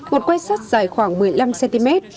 một quay sắt dài khoảng một mươi năm cm